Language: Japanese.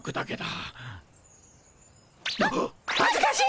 あっ恥ずかしい！